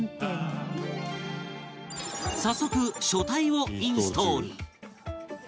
早速書体をインストール